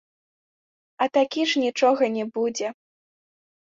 А такі ж нічога не будзе.